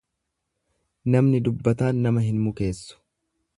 Namni dubbataan nama hin mukeessu.